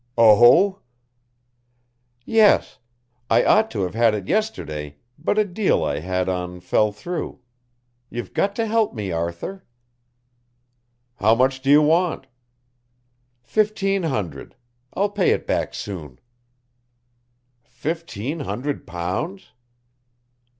"Oh!" "Yes. I ought to have had it yesterday, but a deal I had on fell through. You've got to help me, Arthur." "How much do you want?" "Fifteen hundred. I'll pay it back soon." "Fifteen hundred pounds?"